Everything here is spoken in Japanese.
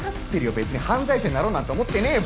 別に犯罪者になろうなんて思ってねえよ！